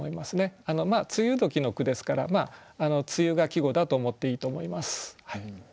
梅雨時の句ですから「梅雨」が季語だと思っていいと思います。